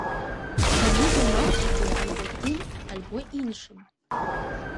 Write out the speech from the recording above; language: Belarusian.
Таму займаўся бы альбо тым, альбо іншым.